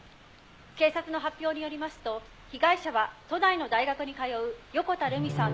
警察の発表によりますと被害者は都内の大学に通う横田留美さん